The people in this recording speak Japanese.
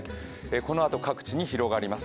このあと各地に広がります。